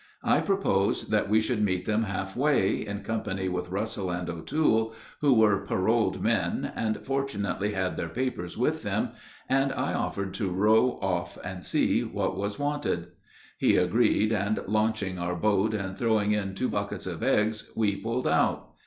I proposed that we should meet them half way, in company with Russell and O'Toole, who were paroled men, and fortunately had their papers with them, and I offered to row off and see what was wanted. He agreed, and, launching our boat and throwing in two buckets of eggs, we pulled out.